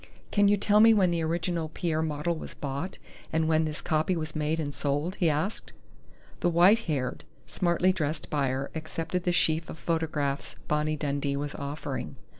"Can you tell me when the original Pierre model was bought, and when this copy was made and sold?" he asked. The white haired, smartly dressed buyer accepted the sheaf of photographs Bonnie Dundee was offering.